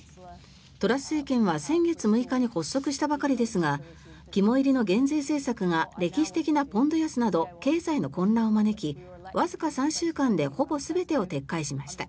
トラス政権は先月６日に発足したばかりですが肝煎りの減税政策が歴史的なポンド安など経済の混乱を招きわずか３週間でほぼ全てを撤回しました。